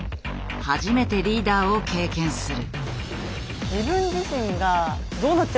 初めてリーダーを経験する。